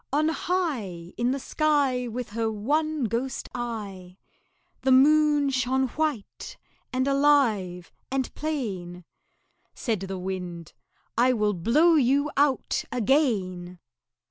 On high In the sky With her one ghost eye, The Moon shone white and alive and plain. Said the Wind "I will blow you out again."